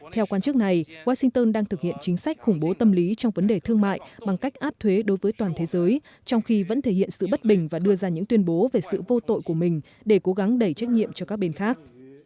theo quan chức này washington đang thực hiện chính sách khủng bố tâm lý trong vấn đề thương mại bằng cách áp thuế đối với toàn thế giới trong khi vẫn thể hiện sự bất bình và đưa ra những tuyên bố về sự vô tội của mình để cố gắng đẩy trách nhiệm cho các bên khác